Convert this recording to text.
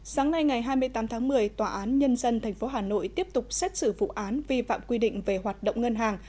sáng nay ngày hai mươi tám tháng một mươi tòa án nhân dân tp hà nội tiếp tục xét xử vụ án vi phạm quy định về hoạt động ngân hàng